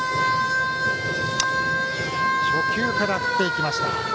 初球から振っていきました。